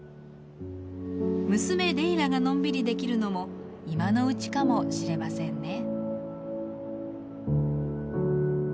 娘レイラがのんびりできるのも今のうちかもしれませんね。